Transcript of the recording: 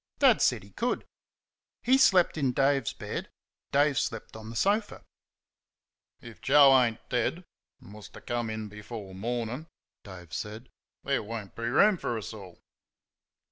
Dad said he could. He slept in Dave's bed; Dave slept on the sofa. "If Joe ain't dead, and wuz t' come in before mornin'," Dave said, "there won't be room for us all."